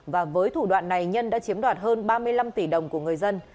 và với thủ đoạn này nhân đã chiếm đoạt hơn ba mươi năm tỷ đồng của người dân